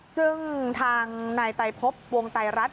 ซึ่งทางนายไตรพบวงไตรรัฐ